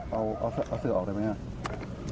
เอาเสือออกได้ไหมครับ